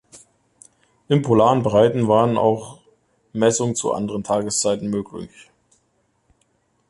In polaren Breiten waren auch Messungen zu anderen Tageszeiten möglich.